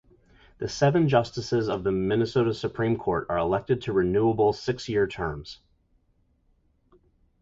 The seven justices of the Minnesota Supreme Court are elected to renewable six-year terms.